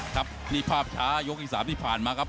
ครับนี่ภาพช้ายกที่๓ที่ผ่านมาครับ